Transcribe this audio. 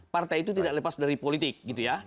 partai itu tidak lepas dari politik gitu ya